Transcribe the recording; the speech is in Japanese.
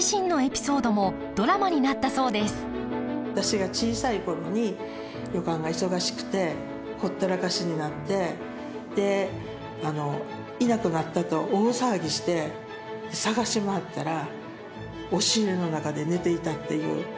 私が小さい頃に旅館が忙しくてほったらかしになってでいなくなったと大騒ぎして捜し回ったら押し入れの中で寝ていたっていう。